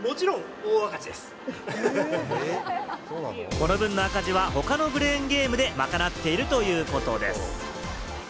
この分の赤字は他のクレーンゲームで賄っているということです。